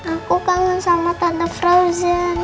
aku kangen sama tante frozen